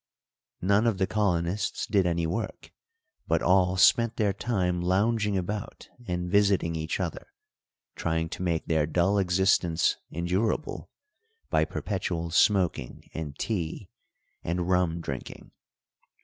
None of the colonists did any work, but all spent their time lounging about and visiting each other, trying to make their dull existence endurable by perpetual smoking and tea and rum drinking.